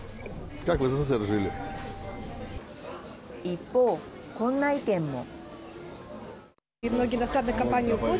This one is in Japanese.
一方、こんな意見も。